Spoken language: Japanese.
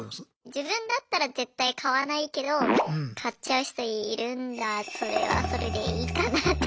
自分だったら絶対買わないけど買っちゃう人いるんだそれはそれでいいかなって。